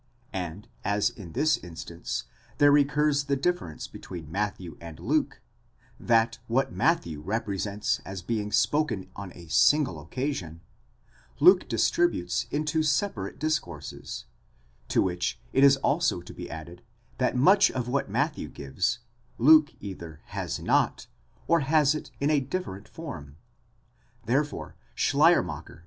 18 And as in this instance there recurs the difference between Matthew and Luke, that what Matthew represents as being spoken on a single occasion, Luke distributes into separate discourses ; to which it is also to be added, that much of what Matthew gives, Luke either has not, or has it in a different form: therefore Schleiermacher?